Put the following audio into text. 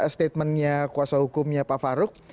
statement kuasa hukumnya pak farouk